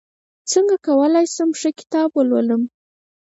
څنګه کولی شم ښه کتاب ولولم